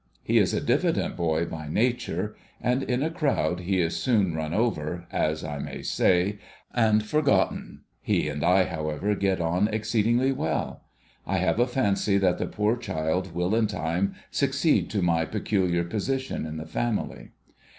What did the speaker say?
He is a diffident boy by nature ; and in a crowd he is soon run over, as I may say, and forgotten. He and I, however, get on exceedingly well. I have a fancy that the poor child will in time succeed to my peculiar position in the family.